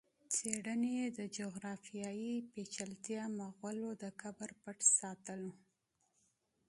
څېړني یې د جغرافیایي پېچلتیا، مغولو د قبر پټ ساتلو